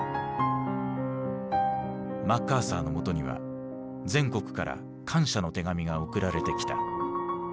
マッカーサーのもとには全国から感謝の手紙が送られてきた。